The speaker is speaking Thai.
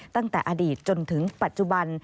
ตั้งแต่อดีตจนถึงปัจจุบัน